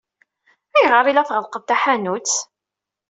Ayɣer ay la tɣellqeḍ taḥanut?